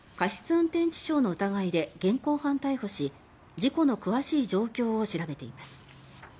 運転致傷の疑いで現行犯逮捕し事故の詳しい状況を調べています。